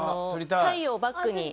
太陽をバックに。